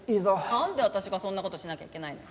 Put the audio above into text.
なんで私がそんな事しなきゃいけないのよ。